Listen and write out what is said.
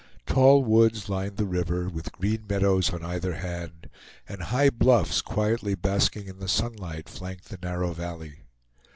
Tall woods lined the river, with green meadows on either hand; and high bluffs, quietly basking in the sunlight, flanked the narrow valley.